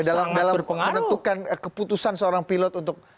dalam menentukan keputusan seorang pilot untuk